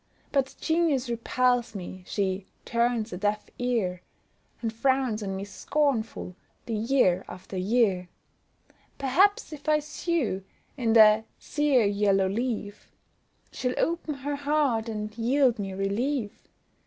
But Genius repels me, she "turns a deaf ear," And frowns on me scornful, the year after year; Perhaps if I sue, in the "sere yellow leaf," She'll open her heart, and yield me relief.